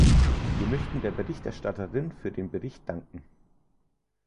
Wir möchten der Berichterstatterin für den Bericht danken.